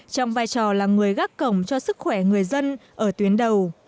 trong vai trò là người gác cổng cho sức khỏe người dân ở tuyến đầu